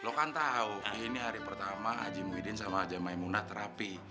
lo kan tau ini hari pertama aji muhyiddin sama aja maimunah terapi